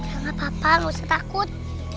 gak apa apa nggak usah takut